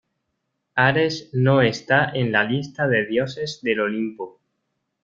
Ares no está en la lista de Dioses del Olimpo.